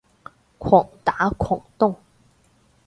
狂打狂咚